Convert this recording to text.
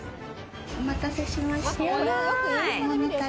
お待たせしました。